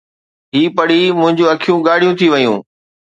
هي پڙهي منهنجيون اکيون ڳاڙهيون ٿي ويون.